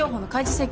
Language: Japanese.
請求